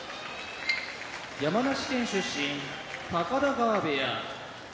山梨県出身高田川部屋